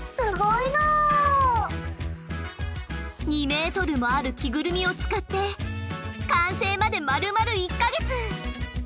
２メートルもある着ぐるみを使って完成までまるまる１か月。